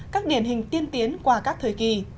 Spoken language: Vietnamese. các điển hình tiên tiến qua các thời kỳ